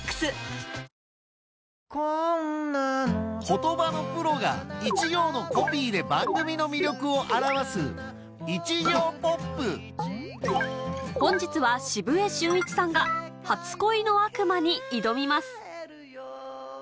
言葉のプロが一行のコピーで番組の魅力を表す本日は澁江俊一さんが『初恋の悪魔』に挑みます